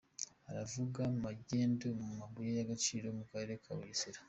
Haravugwa magendu mu mabuye y’agaciro Mukarere Kabugesera